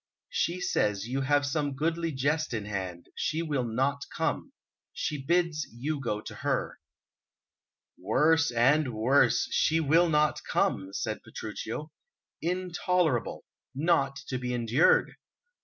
"She says you have some goodly jest in hand; she will not come. She bids you go to her." "Worse and worse, 'she will not come!'" said Petruchio. "Intolerable, not to be endured!